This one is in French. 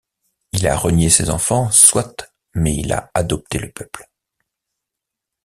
Il a renié ses enfants, soit ; mais il a adopté le peuple.